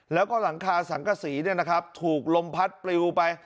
แล้วก็หลังคาสังกะศรีนะครับถูกลมพัดปลิวไป